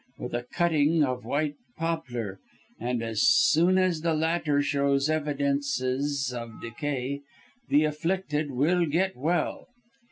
with a cutting of white poplar, and as soon as the latter shows evidences of decay, the afflicted will get well.